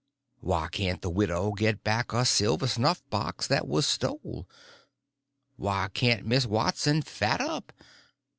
Why can't the widow get back her silver snuffbox that was stole? Why can't Miss Watson fat up?